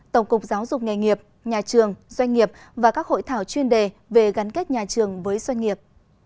tổng cục giáo dục nghề nghiệp nhà trường doanh nghiệp và các hội thảo chuyên đề về gắn kết nhà trường với doanh nghiệp